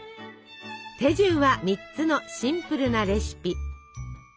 手順は３つのシンプルなレシピ。